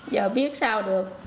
giờ biết sao được